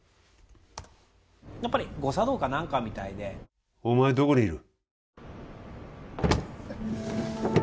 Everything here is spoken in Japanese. やっぱり誤作動か何かみたいでお前どこにいる？